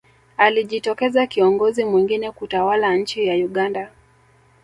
alijitokeza kiongozi mwingine kutawala nchi ya uganda